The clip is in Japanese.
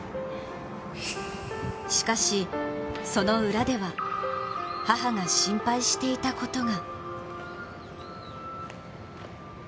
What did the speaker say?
しかし、その裏では、母が心配していたことが。